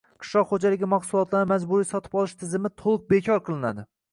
qishloq xo‘jaligi mahsulotlarini majburiy sotib olish tizimi to‘liq bekor qilinadi.